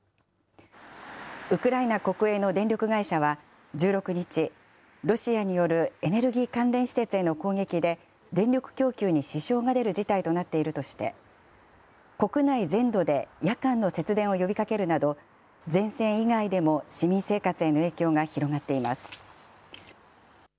ウクライナ国営の電力会社は、１６日、ロシアによるエネルギー関連施設への攻撃で、電力供給に支障が出る事態となっているとして、国内全土で夜間の節電を呼びかけるなど、前線以外でも市民生活への影響が広がっています。